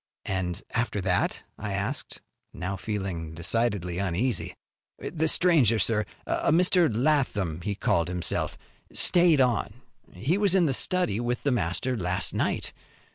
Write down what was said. "And after that?" I asked, now feeling decidedly uneasy. "The stranger, sir a Mr. Lathom he called himself stayed on. He was in the study with the master last night.